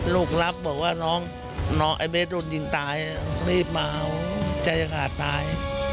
ลูกรักบอกว่าน้องน้องไอ้เบสโดนยิงตายรีบมาใจอากาศตาย